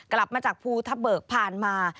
กลับมาจากภูทับเบิกผ่านมา